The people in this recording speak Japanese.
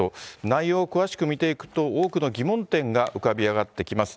内容を詳しく見ていくと、多くの疑問点が浮かび上がってきます。